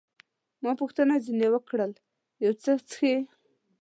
ما پوښتنه ځیني وکړل، یو څه څښئ؟